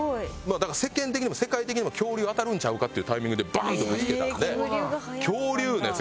だから世間的にも世界的にも恐竜当たるんちゃうかっていうタイミングでバーンとぶつけたので。